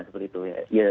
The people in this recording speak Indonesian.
seperti itu ya